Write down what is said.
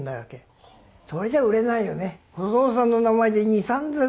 それじゃ売れないよね。